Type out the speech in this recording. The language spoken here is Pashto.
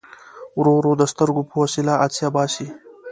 ورو ورو د سترګو په وسیله عدسیه باسي.